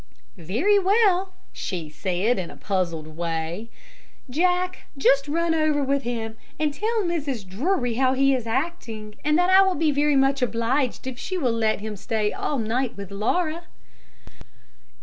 "Very well," she said, in a puzzled way. "Jack, just run over with him, and tell Mrs. Drury how he is acting, and that I will be very much obliged if she will let him stay all night with Laura."